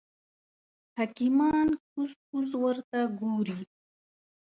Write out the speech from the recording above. حکیمان کوز کوز ورته ګوري.